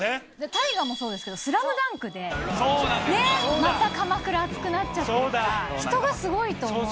大河もそうですけど「スラムダンク」でねっまた鎌倉熱くなっちゃってるから人がすごいと思うので。